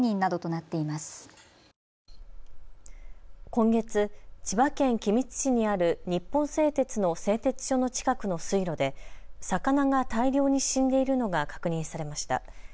今月、千葉県君津市にある日本製鉄の製鉄所の近くの水路で魚が大量に死んでいるのが確認されました。